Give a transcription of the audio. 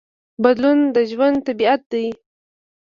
بدلون د ژوند طبیعت دی.